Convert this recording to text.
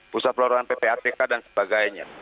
pusat pelaporan ppatk dan sebagainya